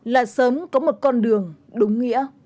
là sớm có một con đường đúng nghĩa